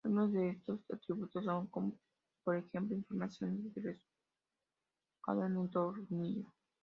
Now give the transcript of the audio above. Algunos de estos atributos son por ejemplo informaciones del roscado en un tornillo.